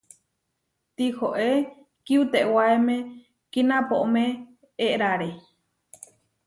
Tihoé kiutewaéme kinapoʼmé éʼrare.